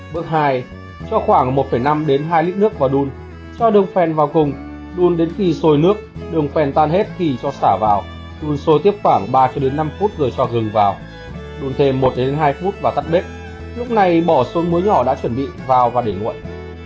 bước hai cho khoảng một năm đến hai lít nước vào đun cho đường phèn vào cùng đun đến khi sôi nước đường phèn tan hết thì cho xả vào đun sôi tiếp khoảng ba năm phút rồi cho gừng vào đun thêm một hai phút và tắt bếp lúc này bỏ xôn muối nhỏ đã chuẩn bị vào và để nguội